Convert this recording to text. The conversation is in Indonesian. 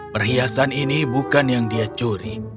perhiasan ini bukan yang dia curi